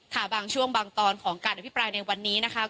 ค่ะบางช่วงบางตอนของการอภิปรายในวันนี้นะคะ